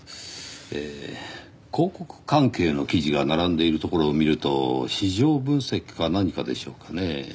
えー広告関係の記事が並んでいるところを見ると市場分析か何かでしょうかねぇ。